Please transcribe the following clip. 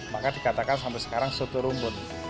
maka dikatakan sampai sekarang soto rumbun